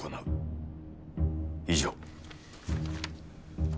以上。